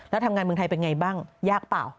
แล้วทำงานเมืองไทยเป็นไงบ้างยากเปล่า